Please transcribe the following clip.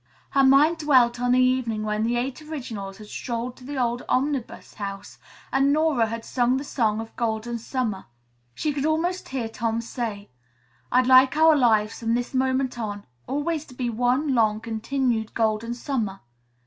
Her mind dwelt on the evening when the Eight Originals had strolled to the old Omnibus House and Nora had sung the song of Golden Summer. She could almost hear Tom say, "I'd like our lives, from this moment on, always to be one long, continued Golden Summer."